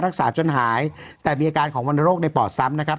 รักษาจนหายแต่มีอาการของวรรณโรคในปอดซ้ำนะครับ